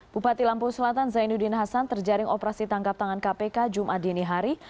bupati lampung selatan zainuddin hasan terjaring operasi tangkap tangan kpk jumat dini hari